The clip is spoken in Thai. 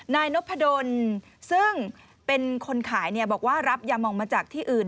นายนพดลซึ่งเป็นคนขายบอกว่ารับยามองมาจากที่อื่น